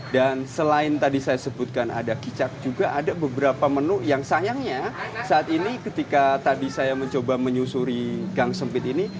dan selain tadi saya sebutkan ada kicap juga ada beberapa menu yang sayangnya saat ini ketika tadi saya mencoba menyusuri gang sempit ini